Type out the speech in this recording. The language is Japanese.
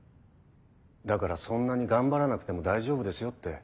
だからそんなに頑張らなくても大丈夫ですよって。